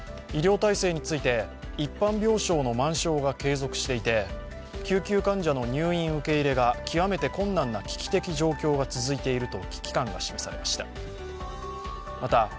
医療体制について、一般病床の満床が継続していて救急患者の入院受け入れが極めて困難な危機的状況が続いていると危機感が示されました。